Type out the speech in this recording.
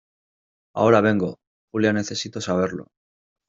ahora vengo. Julia, necesito saberlo .